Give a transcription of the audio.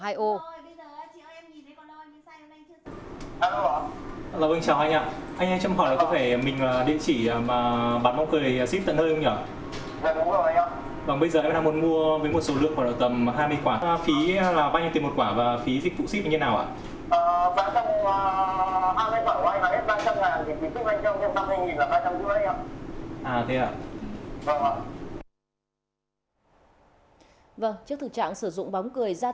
alo anh chào anh ạ